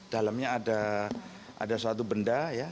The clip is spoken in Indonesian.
dalamnya ada suatu benda ya